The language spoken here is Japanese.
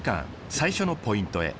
最初のポイントへ。